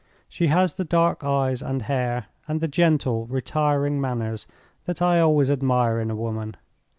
She has the dark eyes and hair, and the gentle, retiring manners that I always admire in a woman.